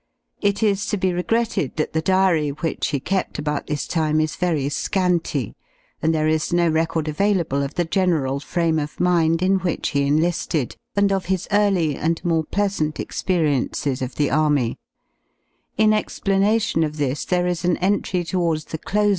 It is to be regretted that the diary which he kept about this time is very scanty ^ and there is no record available of the general frame of mind in which he enlisted i and of his early and more pleasant experiences of the Army, In explanation of this there is an entry towards the close d?